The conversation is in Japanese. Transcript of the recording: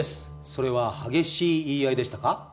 それは激しい言い合いでしたか？